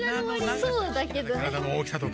そうだけどね。